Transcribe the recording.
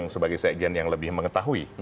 sebagai sekjen yang lebih mengetahui